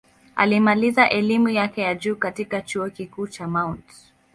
Alimaliza elimu yake ya juu katika Chuo Kikuu cha Mt.